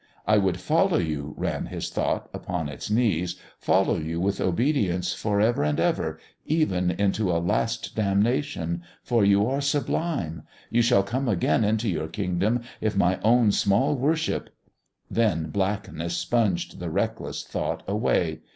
"I would follow you," ran his thought upon its knees, "follow you with obedience for ever and ever, even into a last damnation. For you are sublime. You shall come again into your Kingdom, if my own small worship " Then blackness sponged the reckless thought away.